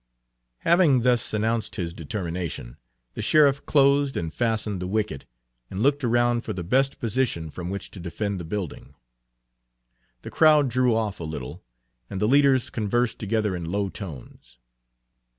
Having thus announced his determination, the sheriff closed and fastened the wicket, and looked around for the best position from which to defend the building. The crowd drew off a little, and the leaders conversed together in low tones.